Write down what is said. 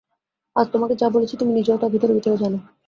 আজ তোমাকে যা বলছি তুমি নিজেও তা ভিতরে ভিতরে জান।